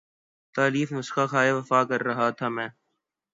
تالیف نسخہ ہائے وفا کر رہا تھا میں